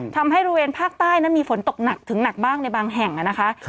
ทำให้บริเวณภาคใต้นั้นมีฝนตกหนักถึงหนักบ้างในบางแห่งนะคะ